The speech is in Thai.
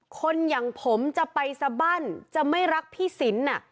คนอย่างผมจะไปสบั้นจะไม่รักพี่สิน